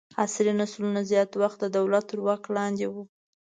عصري نسلونه زیات وخت د دولت تر واک لاندې وو.